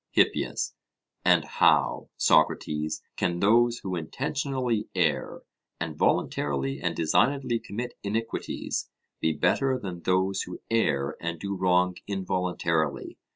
HIPPIAS: And how, Socrates, can those who intentionally err, and voluntarily and designedly commit iniquities, be better than those who err and do wrong involuntarily?